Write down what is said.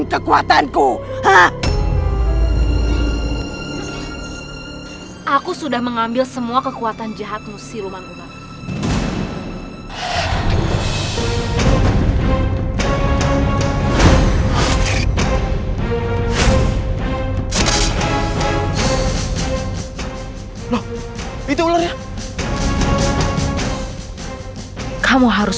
tapi keluargaku sampai akhirnya memperoleh maksa yang latar